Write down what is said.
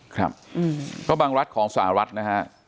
ครับก็บางรัฐของสหรัฐนะฮะ